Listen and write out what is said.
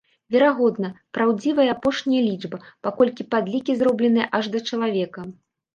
Верагодна, праўдзівая апошняя лічба, паколькі падлікі зробленыя аж да чалавека.